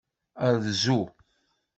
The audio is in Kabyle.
Rzu.